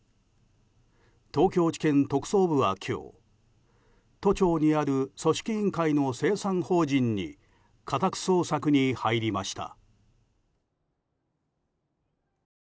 東京地検特捜部は今日、都庁にある組織委員会の清算法人に家宅捜索に入りました。